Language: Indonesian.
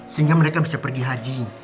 sehingga mereka bisa pergi haji